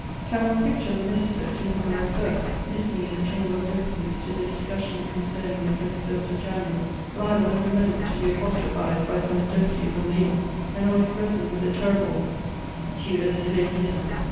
Can one picture the minister to whom I refer listening in the Chamber of Deputies to the discussion concerning the 21st of January, liable every moment to be apostrophized by some deputy from Lyons, and always threatened with the terrible _Tu es ille vir!